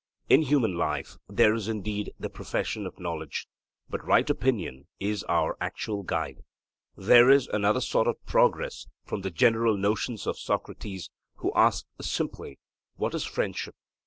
In human life there is indeed the profession of knowledge, but right opinion is our actual guide. There is another sort of progress from the general notions of Socrates, who asked simply, 'what is friendship?'